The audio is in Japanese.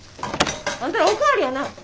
あんたらお代わりやな。